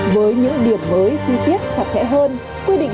với những điểm mới chi tiết chặt chẽ hơn